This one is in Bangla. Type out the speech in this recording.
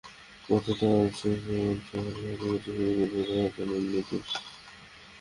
কথিত আছে, স্ত্রী মমতাজ মহলের সমাধির কাজও শুরু করেছিলেন শাহজাহান নিজেই।